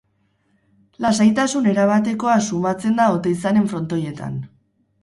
Lasaitasun erabatekoa sumatzen da Oteizaren Frontoietan.